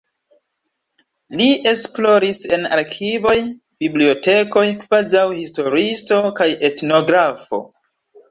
Li esploris en arkivoj, bibliotekoj kvazaŭ historiisto kaj etnografo.